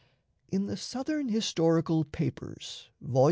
In the "Southern Historical Papers," vol.